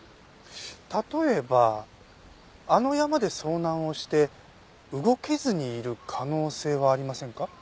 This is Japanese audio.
例えばあの山で遭難をして動けずにいる可能性はありませんか？